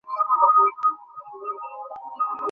একদম নিশানায় লেগেছে!